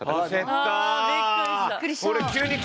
焦った。